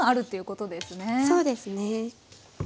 そうですね。